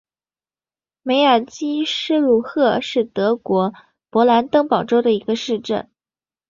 梅尔基施卢赫是德国勃兰登堡州的一个市镇。